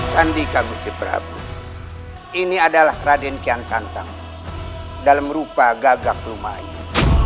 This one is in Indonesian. kandika guci prabu ini adalah raden kian cantang dalam rupa gagak rumah ini